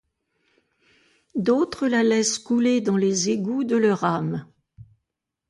D’autres la laissent couler dans les égouts de leur âme.